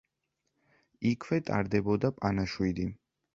იქვე ტარდებოდა პანაშვიდი.